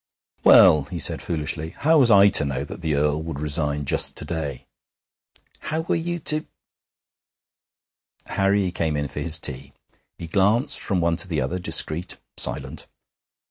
'Well,' he said foolishly, 'how was I to know that the Earl would resign just to day?' 'How were you to ?' Harry came in for his tea. He glanced from one to the other, discreet, silent.